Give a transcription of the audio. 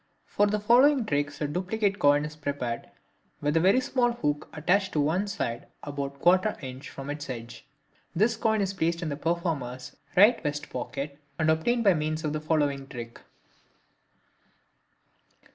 For the following tricks a duplicate coin is prepared with a very small hook attached to one side about ¼ in. from its edge. This coin is placed in the performer's right vest pocket, and is obtained by means of the following trick.